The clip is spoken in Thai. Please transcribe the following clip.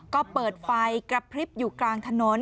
ก็เปิดไฟกระพริบอยู่กลางถนน